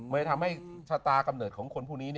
เลยทำให้ชะตากำเนิดของคนพวกนี้